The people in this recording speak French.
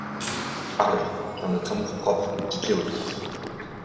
Parlez, car notre amour-propre est piqué au vif.